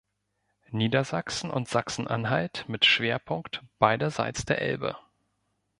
Niedersachsen und Sachsen-Anhalt mit Schwerpunkt beiderseits der Elbe.